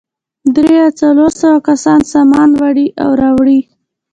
درې یا څلور سوه کسان سامانونه وړي او راوړي.